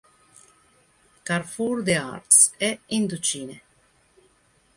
Carrefour des Arts" e "Indochine".